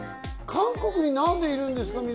韓国に何でいるんですか？